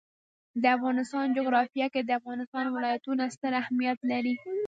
د افغانستان جغرافیه کې د افغانستان ولايتونه ستر اهمیت لري.